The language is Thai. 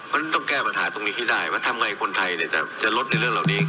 เพราะฉะนั้นต้องแก้ปัญหาตรงนี้ที่ได้ว่าทำไงคนไทยเนี่ยจะลดในเรื่องเหล่านี้